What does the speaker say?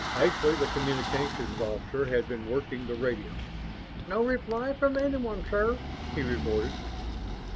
Ashby, the Communications Officer, had been working the radio. "No reply from anyone, sir," he reported.